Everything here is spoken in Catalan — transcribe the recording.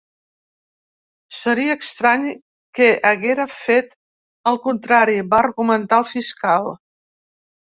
Seria estrany que haguera fet el contrari, va argumentar el fiscal.